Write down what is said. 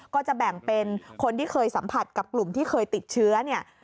ก็จะแบ่งเป็นคนที่เคยสัมผัสกับกลุ่มที่เคยติดเชื้อเนี่ย